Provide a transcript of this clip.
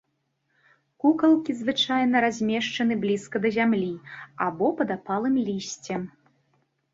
Кукалкі звычайна размешчаны блізка да зямлі або пад апалым лісцем.